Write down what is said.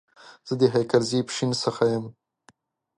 زه د هيکلزئ ، پښين سخه يم